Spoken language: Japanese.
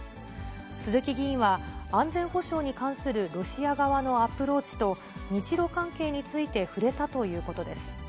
鈴木議員は、安全保障に関するロシア側のアプローチと、日ロ関係について触れたということです。